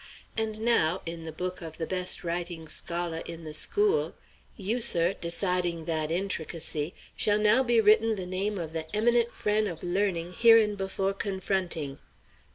And now, in the book of the best writing scholar in the school you, sir, deciding that intricacy shall now be written the name of the eminent frien' of learning hereinbefo' confronting.